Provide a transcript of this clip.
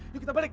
yuk kita balik